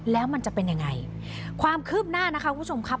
แล้วมันจะเป็นยังไงความคืบหน้านะคะคุณผู้ชมครับ